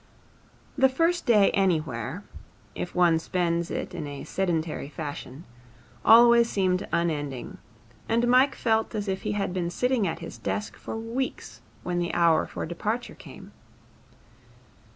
The first day anywhere, if one spends it in a sedentary fashion, always seemed unending; and Mike felt as if he had been sitting at his desk for weeks when the hour for departure came.